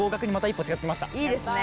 いいですね。